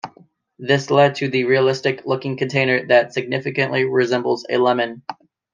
This led to the realistic-looking container that significantly resembles a lemon.